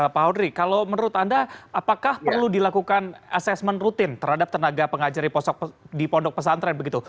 pak audri kalau menurut anda apakah perlu dilakukan assessment rutin terhadap tenaga pengajari di pondok pesantren begitu